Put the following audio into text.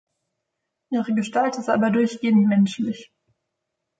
Ihre Gestalt ist aber durchgehend menschlich.